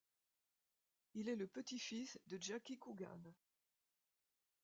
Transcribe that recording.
Il est le petit-fils de Jackie Coogan.